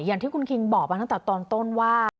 อย่างที่คุณคิงบอกมาตั้งแต่ตอนต้นว่า